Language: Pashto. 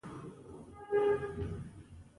هو! بې له شکه کاناډا او متحده ایالتونه مستعمره وو.